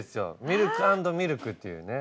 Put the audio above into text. ミルク＆ミルクっていうね。